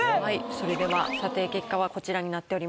それでは査定結果はこちらになっております。